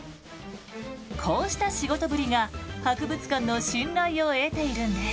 こうした仕事ぶりが博物館の信頼を得ているんです。